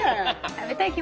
食べたいね。